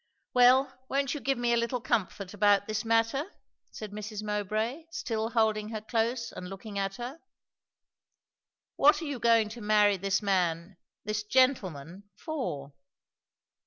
"Well, won't you give me a little comfort about this matter?" said Mrs. Mowbray, still holding her close and looking at her. "What are you going to marry this man this gentleman for?"